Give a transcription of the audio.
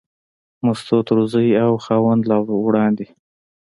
مستو تر زوی او خاوند لا وړاندې.